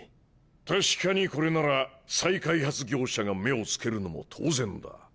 確かにこれなら再開発業者が目を付けるのも当然だ。